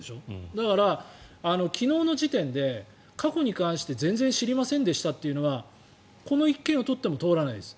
だから昨日の時点で過去に関して全然知りませんでしたというのはこの１件を取っても通らないです。